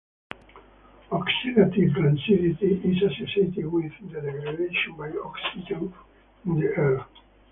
Oxidative rancidity is associated with the degradation by oxygen in the air.